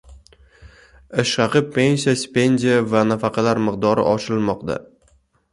Ish haqi, pensiya, stipendiya va nafaqalar miqdori oshirilmoqda